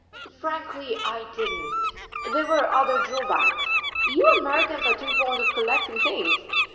"Frankly, I didn't. There were other drawbacks. You Americans are too fond of collecting things.